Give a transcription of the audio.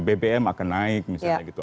bbm akan naik misalnya gitu